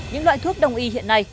những loại thuốc đông y hiện nay